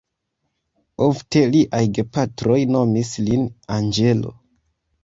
Ofte liaj gepatroj nomis lin anĝelo.